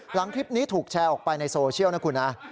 หลังคลิปนี้ถูกแชร์ออกไปในโซเชียลนะคุณนะ